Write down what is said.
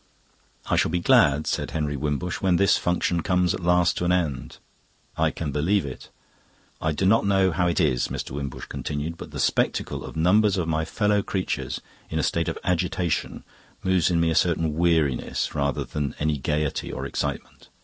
"I shall be glad," said Henry Wimbush, "when this function comes at last to an end." "I can believe it." "I do not know how it is," Mr. Wimbush continued, "but the spectacle of numbers of my fellow creatures in a state of agitation moves in me a certain weariness, rather than any gaiety or excitement.